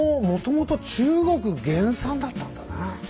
もともと中国原産だったんだね。